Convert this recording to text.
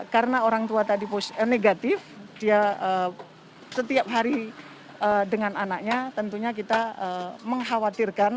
karena orang tua tadi negatif dia setiap hari dengan anaknya tentunya kita mengkhawatirkan